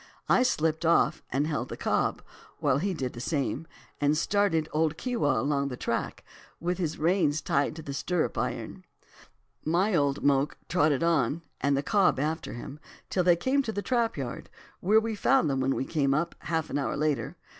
I slipped off, and held the cob, while he did the same, and started old Keewah along the track, with the reins tied to the stirrup iron. My old moke trotted on, and the cob after him, till they came to the trap yard, where we found them when we came up, half an hour after.